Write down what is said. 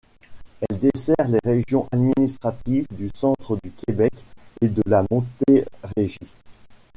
Elle dessert les régions administratives du Centre-du-Québec et de la Montérégie.